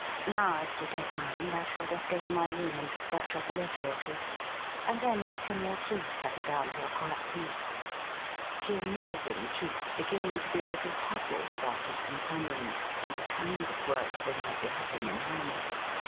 Now, if you don't mind, I shall just go to my room and scratch off a letter or two, and then we can all three settle down to a quiet smoke.' Jim was in truth beginning to be a little puzzled about his companions, and the kind of work they might be having in hand.